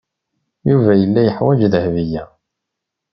Yuba yella yeḥwaj Dahbiya.